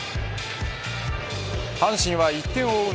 阪神は１点を追う